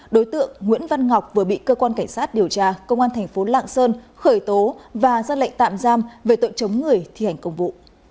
đối tượng nguyễn văn ngọc vừa bị cơ quan cảnh sát điều tra công an thành phố lạng sơn khởi tố và ra lệnh tạm giam về tội chống người thi hành công vụ